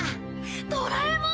ドラえもん！